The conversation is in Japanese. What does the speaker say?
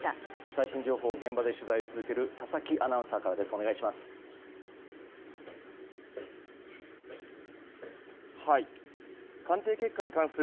最新情報現場で取材を続ける佐々木アナウンサーからです。